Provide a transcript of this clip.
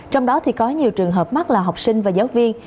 trong đó thì có nhiều trường hợp mắc là học sinh và giáo viên